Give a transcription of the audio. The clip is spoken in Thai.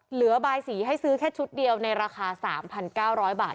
เหลือบายสีให้ซื้อแค่ชุดเดียวในราคา๓๙๐๐บาท